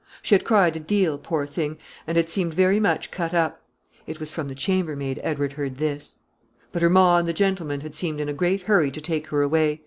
She had cried a deal, poor thing, and had seemed very much cut up. (It was from the chamber maid Edward heard this.) But her ma and the gentleman had seemed in a great hurry to take her away.